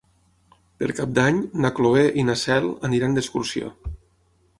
Per Cap d'Any na Cloè i na Cel aniran d'excursió.